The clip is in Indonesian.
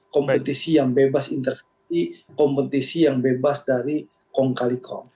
kompetisi yang bebas intervensi kompetisi yang bebas dari kong kali kong